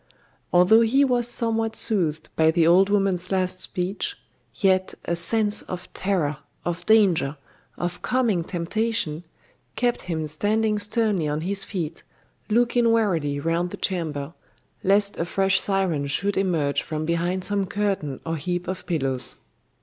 Although he was somewhat soothed by the old woman's last speech, yet a sense of terror, of danger, of coming temptation, kept him standing sternly on his feet, looking warily round the chamber, lest a fresh siren should emerge from behind some curtain or heap of pillows.